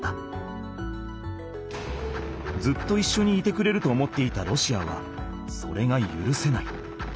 ずっといっしょにいてくれると思っていたロシアはそれがゆるせない。